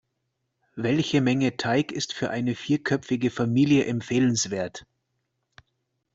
Welche Menge Teig ist für eine vierköpfige Familie empfehlenswert?